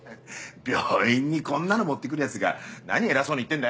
病院にこんなの持ってくるヤツが何偉そうに言ってんだよ！